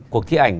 cuộc thi ảnh